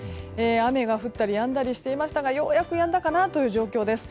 雨が降ったりやんだりしていましたがようやくやんだかなという状況です。